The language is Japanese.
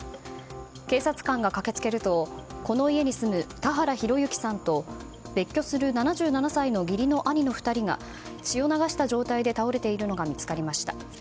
警察官が駆け付けるとこの家に住む田原広行さんと別居する７７歳の義理の兄の２人が血を流した状態で倒れているのが見つかりました。